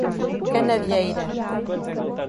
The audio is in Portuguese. Canavieira